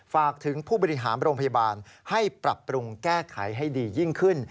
ฝากถึงผู้บริหารโรงพยาบาลให้ปรับปรุงแก้ไขให้ดียิ่งขึ้น